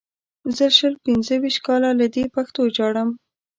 زه شل پنځه ویشت کاله له دې پښتو ژاړم.